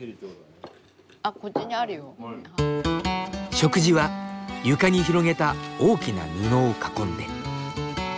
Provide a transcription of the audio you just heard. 食事は床に広げた大きな布を囲んで。